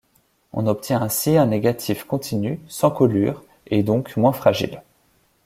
On obtient ainsi un négatif continu, sans colures, et donc moins fragile.